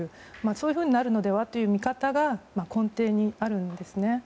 そういうふうになるのではという見方が根底にあるんですね。